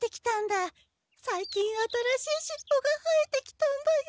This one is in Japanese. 最近新しいしっぽが生えてきたんだよ。